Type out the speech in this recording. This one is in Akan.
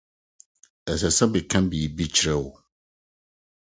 Ɛsɛ sɛ meka biribi kyerɛ wo.